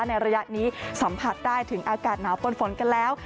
ในระยะนี้สัมผัสได้ถึงอากาศหนาวปนฝนกันแล้ว